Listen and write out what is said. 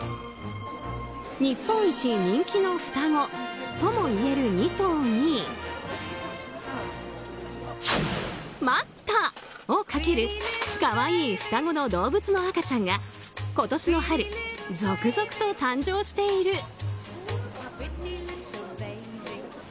日本一人気の双子ともいえる２頭に待ったをかける可愛い双子の動物の赤ちゃんが今年の春、続々と誕生している。